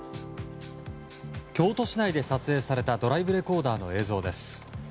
京都市内で撮影されたドライブレコーダーの映像です。